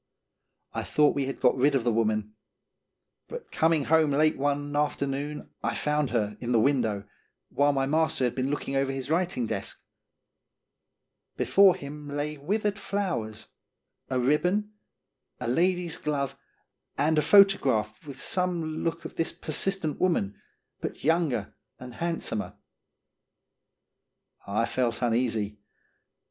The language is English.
I thought we had got rid of the woman; but coming home late one after noon I found her in the window, while my master had been looking over his writing desk. Before him lay withered flowers, a ribbon, a lady's glove, and a photograph with some look of this persistent woman, but younger and handsomer. I felt uneasy. Mr.